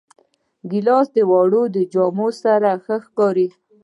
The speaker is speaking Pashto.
ګیلاس د وړو جامو سره ښکارېږي.